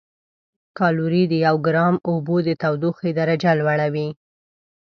کالوري د یو ګرام اوبو د تودوخې درجه لوړوي.